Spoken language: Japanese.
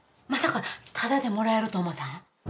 まさかタダでもらえると思うたん？